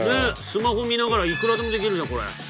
スマホ見ながらいくらでもできるじゃんこれ。